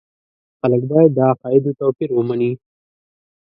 خلک باید د عقایدو توپیر ومني.